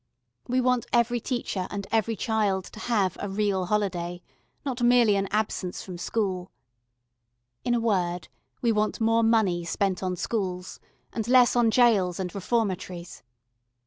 We want every teacher and every child to have a real holiday, not merely an absence from school. In a word, we want more money spent on schools and less on gaols and reformatories.